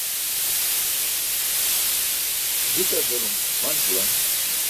Jutar delum manc̣ juwan.